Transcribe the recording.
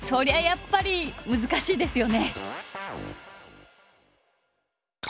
やっぱり難しいですよね。